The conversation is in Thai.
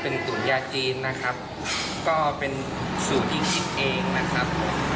เป็นตุ๋นยาจีนนะครับก็เป็นสูตรที่คิดเองนะครับ